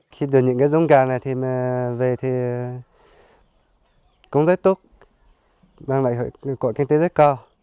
khi được những giống gà này về thì cũng rất tốt bằng lại cộng kinh tế rất cao